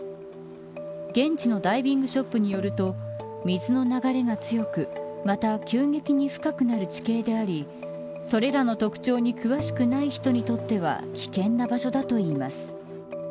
現地のダイビングショップによると水の流れが強くまた急激に深くなる地形でありそれらの特徴に詳しくない人にとっては危険な場所だといいます。